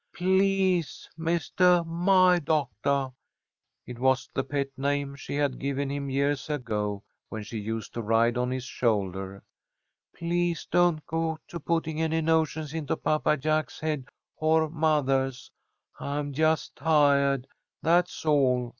"Please, Mistah My Doctah," it was the pet name she had given him years ago when she used to ride on his shoulder, "please don't go to putting any notions into Papa Jack's head or mothah's. I'm just ti'ahed. That's all.